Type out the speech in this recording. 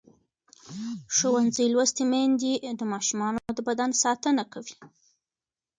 ښوونځې لوستې میندې د ماشومانو د بدن ساتنه کوي.